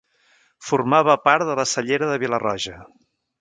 Formava part de la Cellera de Vila-roja.